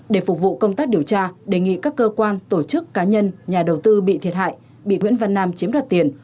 để phục vụ công tác điều tra đề nghị các cơ quan tổ chức cá nhân nhà đầu tư bị thiệt hại bị nguyễn văn nam chiếm đoạt tiền